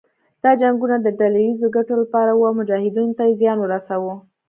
دا جنګونه د ډله ييزو ګټو لپاره وو او مجاهدینو ته يې زیان ورساوه.